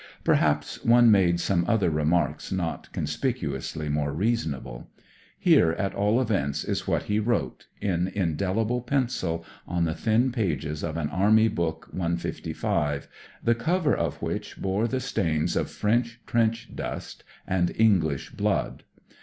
Perhaps one made some other remarks not conspicuously more reasonable. Here, at all events, is what he wrote, in indelible pencil, on the thin pages of an Army Book 155, the cover of which bore the stains of French trench dust and En^sh blood.